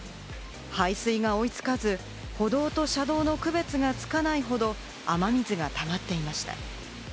排水が追いつかず、歩道と車道の区別がつかないほど雨水がたまっていました。